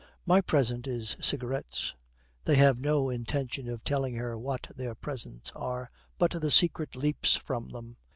'My present is cigarettes.' They have no intention of telling her what their presents are, but the secret leaps from them.